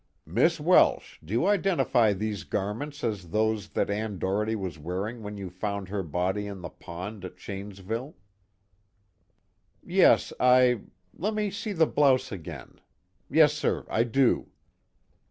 "Miss Welsh, do you identify these garments as those that Ann Doherty was wearing when you found her body in the pond at Shanesville?" "Yes, I let me see the blouse again yes, sir, I do."